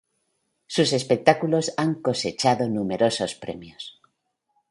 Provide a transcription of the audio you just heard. Sus espectáculos han cosechado números premios.